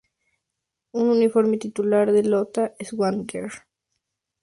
El uniforme titular de Lota Schwager tiene una rica historia.